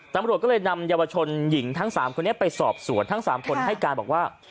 ตำรวจก็เลยนำเยาวชนหญิงทั้ง๓คนนี้ไปสอบสวนทั้ง๓คนให้การบอกว่า